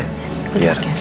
iya aku juga berangkat